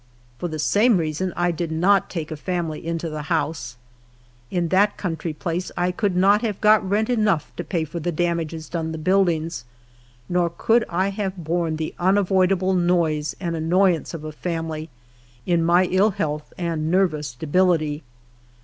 For the same reason I did not take a familv into the house. In that country place I could not have got rent enough to pay for damages done the buildings, nor could I have borne the unavoidable noise and annoyance of a family in my ill health and nervous debility.